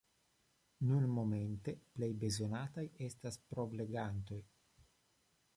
Nunmomente plej bezonataj estas provlegantoj.